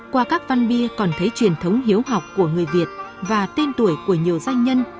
qua các văn bia còn thấy truyền thống hiếu học của người việt và tên tuổi của nhiều doanh nhân